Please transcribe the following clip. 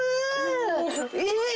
えっ？